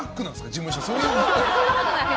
事務所。